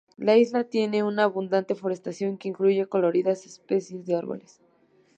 La isla tiene una abundante forestación que incluye coloridas especies de árboles.